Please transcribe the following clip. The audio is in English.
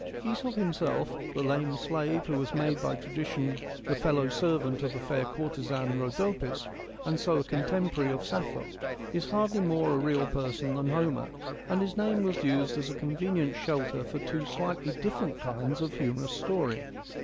TEscrp himself, the lame slave who was made by tradition the fellow servant of the fair courtesan, Rhodopis, and so a contemporary of Sappho, is hardly more a real person than Homer, and his name was used as a convenient shelter for two slightly different kinds of humorous story.